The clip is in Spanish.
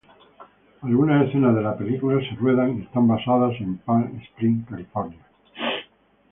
Algunas escenas de la película se ruedan y están basadas en Palm Springs, California.